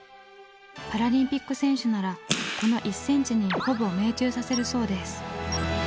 パラリンピック選手ならこの１ｃｍにほぼ命中させるそうです。